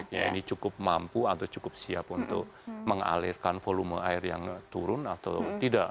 ya ini cukup mampu atau cukup siap untuk mengalirkan volume air yang turun atau tidak